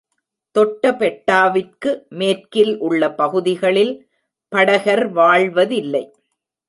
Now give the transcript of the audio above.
தொட்டபெட்டாவிற்கு மேற்கில் உள்ள பகுதிகளில் படகர் வாழ்வதில்லை.